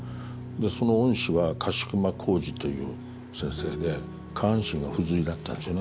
その恩師は柏熊岬二という先生で下半身が不随だったんですよね。